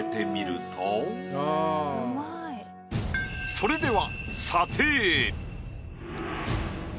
それでは。